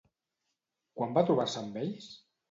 Quan va trobar-se amb ells?